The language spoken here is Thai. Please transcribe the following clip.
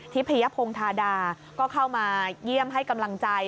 พยพงธาดาก็เข้ามาเยี่ยมให้กำลังใจ